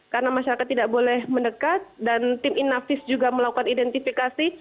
karena masyarakat tidak boleh mendekat dan tim inavis juga melakukan identifikasi